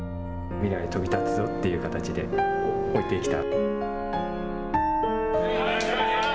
未来へ飛び立つという形で置いてきた。